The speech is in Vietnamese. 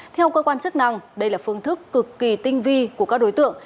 theo cơ quan chức năng đây là phương thức cực kỳ tinh vi của các đối tượng